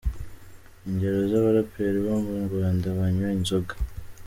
Ingero z’abaraperi bo mu Rwanda banywa inzoga.